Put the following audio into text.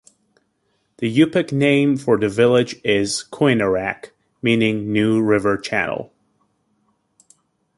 The Yupik name for the village is "Kuinerraq", meaning "new river channel.